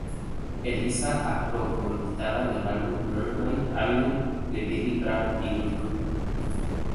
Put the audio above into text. Eliza actuó como invitada en el álbum "Mermaid Avenue" de Billy Bragg y Wilco.